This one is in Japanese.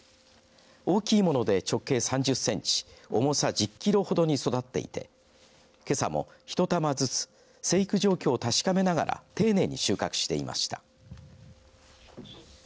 大きいもので直径３０センチ重さ１０キロほどに育っていてけさも、一玉ずつ生育状況を確かめながら丁寧に収穫していました。